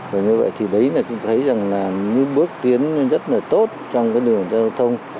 và như vậy thì đấy là tôi thấy rằng là những bước tiến rất là tốt trong cái đường giao thông